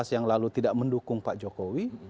yang lalu tidak mendukung pak jokowi